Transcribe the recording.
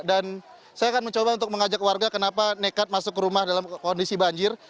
dan saya akan mencoba untuk mengajak warga kenapa nekat masuk ke rumah dalam kondisi banjir